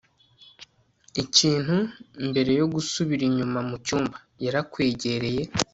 ikintu, mbere yo gusubira inyuma mucyumba. yarakwegereye